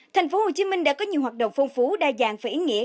thành phố hồ chí minh đã có nhiều hoạt động phong phú đa dạng và ý nghĩa